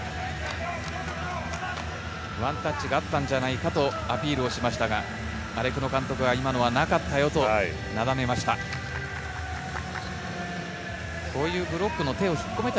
ワンタッチがあったんじゃないかとアピールをしましたがアレクノ監督はなかったよと、なだめました。